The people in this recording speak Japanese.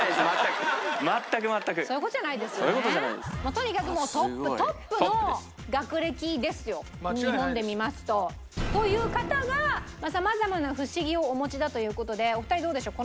とにかくトップの学歴ですよ日本で見ますと。という方がさまざまなフシギをお持ちだという事でお二人どうでしょう？